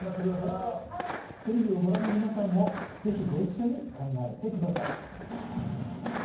頑張ろうテレビをご覧の皆さんもぜひご一緒に考えてください